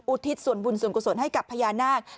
ทิศส่วนบุญส่วนกุศลให้กับพญานาค